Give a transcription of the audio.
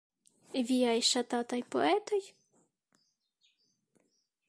Viaj ŝatataj poetoj?